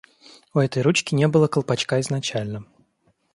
У этой ручки не было колпачка изначально.